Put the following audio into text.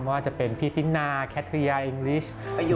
ว่าจะเป็นพี่ตินาแคทริยาอิงลิช